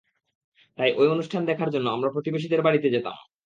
তাই, ওই অনুষ্ঠান দেখার জন্য আমরা প্রতিবেশীদের বাড়িতে যেতাম।